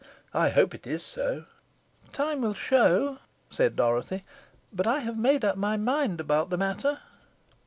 I hope it is so." "Time will show," said Dorothy; "but I have made up my mind about the matter."